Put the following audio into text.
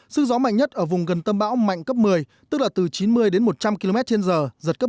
sức gió mạnh nhất ở vùng gần tâm bão mạnh cấp một mươi tức là từ chín mươi đến một trăm linh km trên giờ giật cấp một mươi